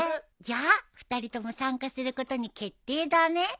じゃあ２人とも参加することに決定だね！